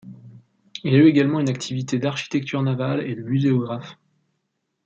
Il a eu également une activité d’architecture navale et de muséographe.